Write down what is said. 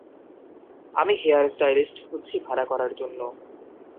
আমি hair stylist খুজছি ভাড়া করার জন্য।